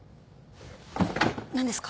何ですか？